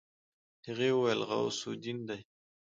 هغې وويل غوث الدين دی.